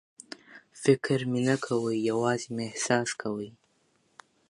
فکر مې نه کاوه، یوازې مې احساس کاوه.